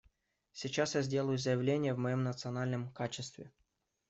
Сейчас я сделаю заявление в моем национальном качестве.